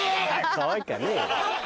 かわいかねえよ！